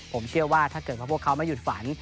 ผมเชื่อว่าถ้าเกิดว่าพวกเขาไม่หยุดฝัน